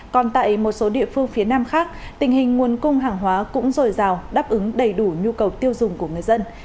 còn tại một số địa phương phía nam khác tình hình nguồn cung hàng hóa cũng dồi dào đáp ứng đầy đủ nhu cầu tiêu dùng của người dân